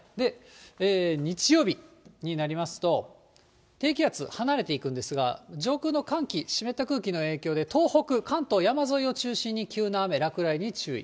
日曜日になりますと、低気圧離れていくんですが、上空の寒気、湿った空気の影響で、東北、関東山沿いを中心に、急な雨、落雷に注意。